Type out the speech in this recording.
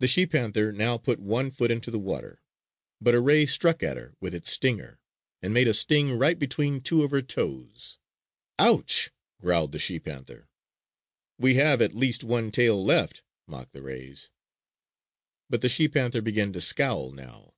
The she panther now put one foot into the water; but a ray struck at her with its stinger, and made a sting right between two of her toes. "Oooouch!" growled the she panther. "We have at least one tail left!" mocked the rays. But the she panther began to scowl now.